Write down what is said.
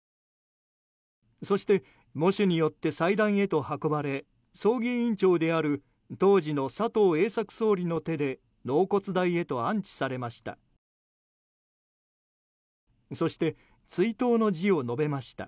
そして喪主によって祭壇へと運ばれ葬儀委員長である当時の佐藤栄作総理の手で納骨台へと安置されました。